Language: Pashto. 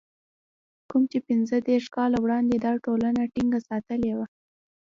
کوم چې پنځه دېرش کاله وړاندې دا ټولنه ټينګه ساتلې وه.